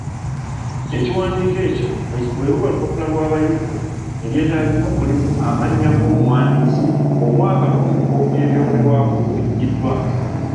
Ekiwandiiko ekyo bwe luba lupapula lw'abayivu, ebyetaagibwa mulimu: amannya g’omuwandiisi, omwaka n’omuko ebyogerwako kwe biggiddwa.